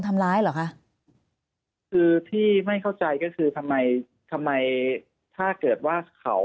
ทำร้ายเหรอคะคือที่ไม่เข้าใจก็คือทำไมทำไมถ้าเกิดว่าเขา